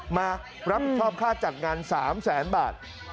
มารับผิดชอบค่าจัดงาน๓แสนบาท